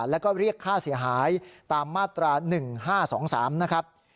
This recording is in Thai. แล้วก็เรียกค่าเสียหายตามมาตรา๑๕๒๓นะครับ